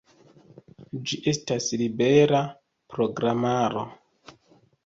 Ĝi estas libera programaro.